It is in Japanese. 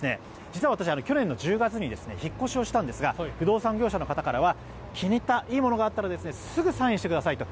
実は私、去年の１０月に引っ越しをしたんですが不動産業者の方からは気に入ったいいものがあったらすぐサインしてくださいと。